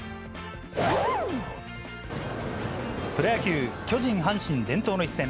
プロ野球、巨人・阪神伝統の一戦。